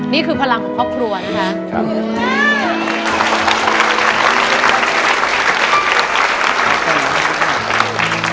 นี่คือพลังของครอบครัวนะคะ